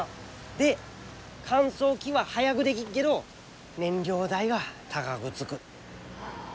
で乾燥機は早ぐでぎっけど燃料代が高ぐつく。